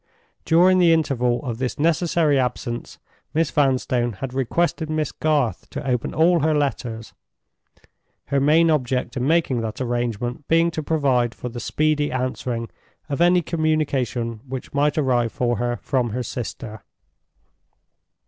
During the interval of this necessary absence Miss Vanstone had requested Miss Garth to open all her letters, her main object in making that arrangement being to provide for the speedy answering of any communication which might arrive for her from her sister.